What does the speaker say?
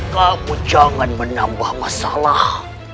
kamu jangan menambah masalah